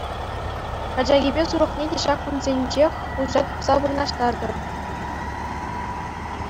Качакипе сурӑхне те ҫак кунсенчех хуҫа тупса вырнаҫтартӑр.